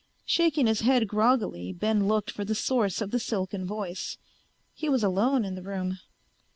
Shaking his head groggily, Ben looked for the source of the silken voice. He was alone in the room.